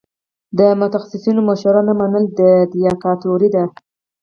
د متخصصینو مشوره نه منل دیکتاتوري ده.